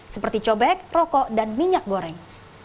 seperti cobek rokok dan minyak goreng